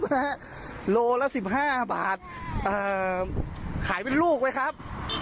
แฮะโลละสิบห้าบาทเอ่อขายเป็นลูกไว้ครับ